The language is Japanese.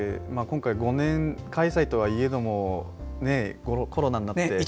今回、５年開催とはいえどもコロナになって。